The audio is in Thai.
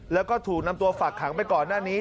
แล้วก็ถูกนำตัวฝากขังไปก่อนหน้านี้